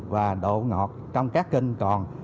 và độ ngọt trong các kênh còn